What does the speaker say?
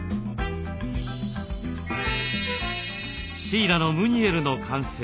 シイラのムニエルの完成。